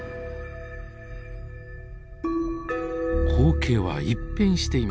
光景は一変していました。